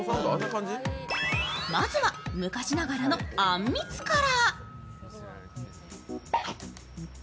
まずは昔ながらのあんみつから。